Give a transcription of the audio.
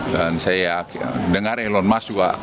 dan saya dengar elon musk juga